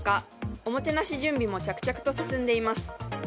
おもてなし準備も着々と進んでいます。